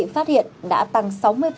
phát hiện đã tăng sáu mươi